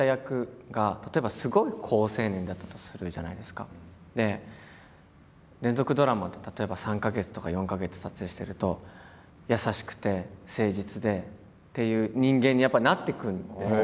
何か僕は連続ドラマって例えば３か月とか４か月撮影してると優しくて誠実でっていう人間にやっぱりなっていくんです。